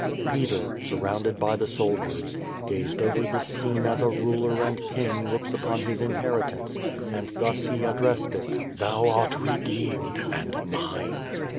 Peter, surrounded by tlie soldiers, gazed over this scene as a ruler and king looks upon his inheritance, and thus he addressed it: "Thou art redeemed and mine."